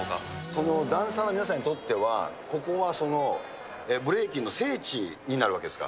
ダンサーの皆さんにとっては、ブレイキンの聖地になるわけですか？